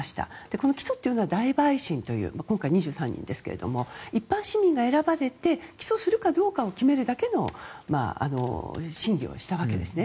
この起訴というのは大陪審という今回、２３人ですが一般市民が選ばれて起訴するかどうかを決めるだけの審理をしたわけですね。